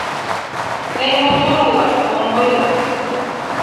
«Тый мотор улат, — ом ойло!